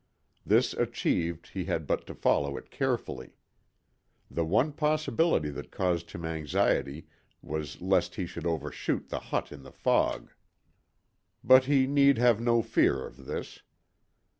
This achieved he had but to follow it carefully. The one possibility that caused him any anxiety was lest he should overshoot the hut in the fog. But he need have had no fear of this.